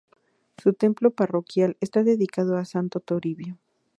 Su templo parroquial está dedicado a Santo Toribio.